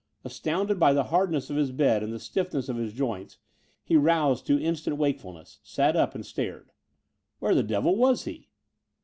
Astounded by the hardness of his bed and the stiffness of his joints, he roused to instant wakefulness; sat up and stared. Where the devil was he?